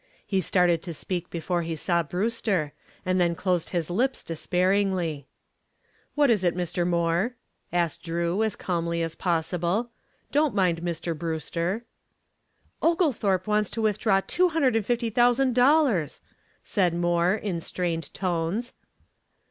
He started to speak before he saw Brewster, and then closed his lips despairingly. "What is it, Mr. Moore?" asked Drew, as calmly as possible. "Don't mind Mr. Brewster." "Oglethorp wants to draw two hundred and fifty thousand dollars," said Moore in strained tones.